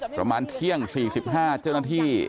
ประมาณเที่ยง๔๕เจ้าหน้าที่